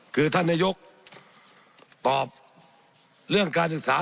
คือท่านนายกตอบเรื่องการศึกษา